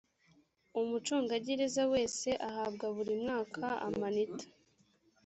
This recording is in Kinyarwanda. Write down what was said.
umucungagereza wese ahabwa buri mwaka amanita.